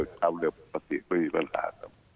ความเร็วปกติไม่มีปัญหาครับ